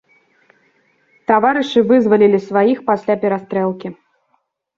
Таварышы вызвалілі сваіх пасля перастрэлкі.